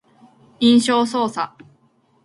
印象操作